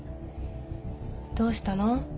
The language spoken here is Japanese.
どうしたの？